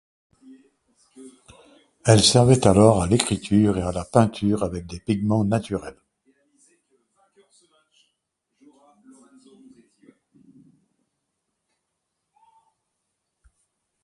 Elle servait alors à l'écriture et la peinture avec des pigments naturels.